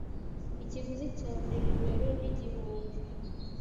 ikiguzi cya buri numero nigihumbi